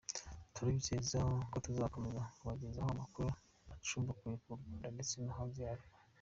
Turabizeza ko tuzakomeza kubagezaho amakuru acukumbuye k’u Rwanda ndetse no hanze yarwo.